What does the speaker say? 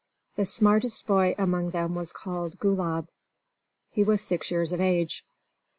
The smartest boy among them was called Gulab. He was six years of age.